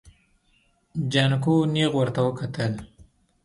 جانکو نيغ ورته وکتل.